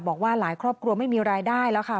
บอกว่าหลายครอบครัวไม่มีรายได้แล้วค่ะ